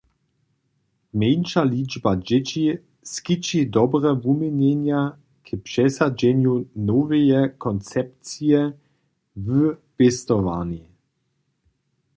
Mjeńša ličba dźěći skići dobre wuměnjenja k přesadźenju noweje koncepcije w pěstowarni.